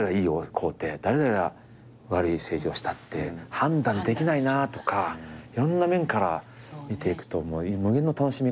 皇帝誰々は悪い政治をしたって判断できないなとかいろんな面から見ていくと無限の楽しみ方があって。